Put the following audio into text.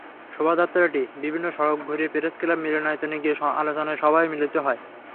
শোভাযাত্রাটি বিভিন্ন সড়ক ঘুরে প্রেসক্লাব মিলনায়তনে গিয়ে আলোচনা সভায় মিলিত হয়।